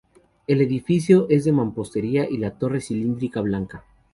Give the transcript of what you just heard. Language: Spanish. El edificio es de mampostería y la torre cilíndrica blanca.